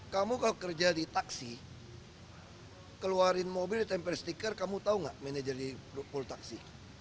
kamu kalau kerja di taksi keluarin mobil ditempe stiker kamu tahu nggak manajer di pol taksi